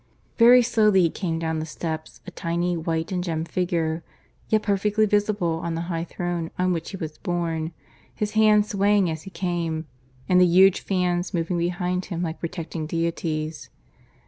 Very slowly he came down the steps, a tiny white and gemmed figure, yet perfectly visible on the high throne on which he was borne, his hand swaying as he came, and the huge fans moving behind him like protecting deities.